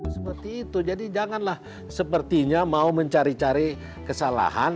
seperti itu jadi janganlah sepertinya mau mencari cari kesalahan